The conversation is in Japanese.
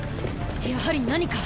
やはり何か。